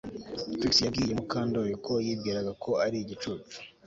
Trix yabwiye Mukandoli ko yibwiraga ko ari igicucu